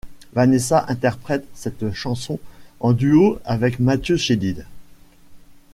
Vanessa interprète cette chanson en duo avec Matthieu Chédid.